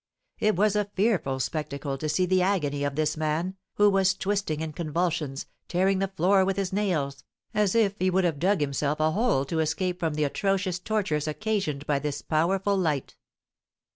It was a fearful spectacle to see the agony of this man, who was twisting in convulsions, tearing the floor with his nails, as if he would have dug himself a hole to escape from the atrocious tortures occasioned by this powerful light.